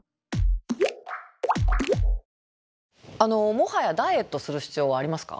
もはやダイエットする必要はありますか？